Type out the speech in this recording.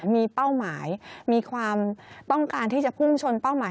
มีเป้าหมายมีความต้องการที่จะพุ่งชนเป้าหมาย